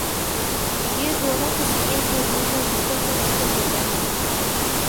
یہ دونوں کسی ایک وجود میں مشکل سے متشکل ہوتے ہیں۔